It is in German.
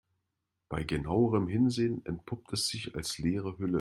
Bei genauerem Hinsehen entpuppt es sich als leere Hülle.